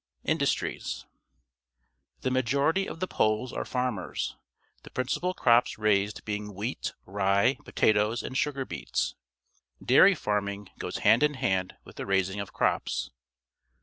Industries. — The majority of the Poles are farmers, the principal crops raised being wheat, rye, potatoes, and sugar beets. Dairj' farming goes hand in hand with the raising of crops.